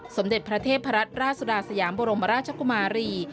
สมเด็จพระเทพรัตนราชสุดาสยามบรมราชกุมารี